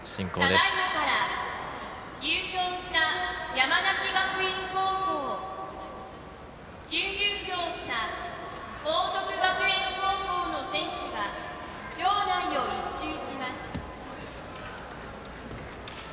ただいまから優勝した山梨学院高校準優勝した報徳学園高校の選手が場内を１周します。